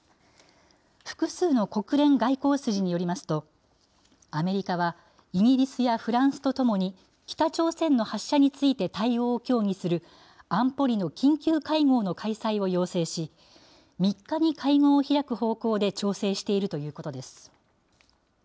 複数の国連外交筋によりますと、アメリカはイギリスやフランスとともに、北朝鮮の発射について対応を協議する安保理の緊急会合の開催を要請し、３日に会合を開く方向で調整しているということです。